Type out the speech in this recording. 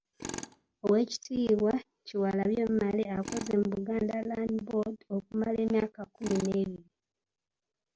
Oweekitiibwa Kyewalabye Male akoze mu Buganda Land Board okumala emyaka kkumi n'ebiri.